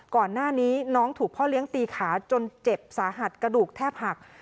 ก่อนหน้านี้น้องถูกพ่อเลี้ยงตีขาจนเจ็บสาหัสกระดูกแทบหัก